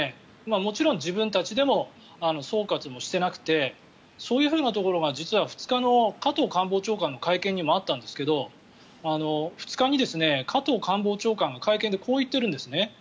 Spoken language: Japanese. もちろん自分たちでも総括もしてなくてそういうふうなところが実は２日の加藤官房長官の会見にもあったんですけど２日に加藤官房長官が会見でこう言っているんですね。